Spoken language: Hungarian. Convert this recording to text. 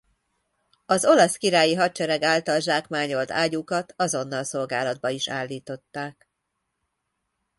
Az olasz királyi hadsereg által zsákmányolt ágyúkat azonnal szolgálatba is állították.